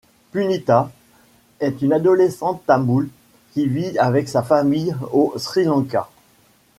Punitha est une adolescente tamoule qui vit avec sa famille au Sri Lanka.